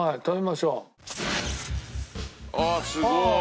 あっすごい！